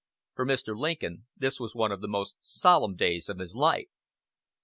For Mr. Lincoln this was one of the most solemn days of his life.